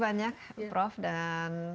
banyak prof dan